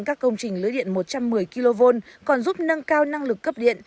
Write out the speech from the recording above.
các công trình lưới điện một trăm một mươi kv còn giúp nâng cao năng lực cấp điện